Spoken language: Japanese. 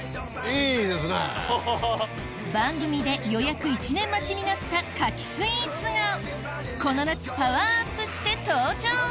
番組で予約１年待ちになった柿スイーツがこの夏パワーアップして登場！